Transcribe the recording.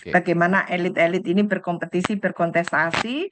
bagaimana elit elit ini berkompetisi berkontestasi